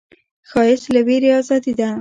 ښایست له ویرې ازادي ده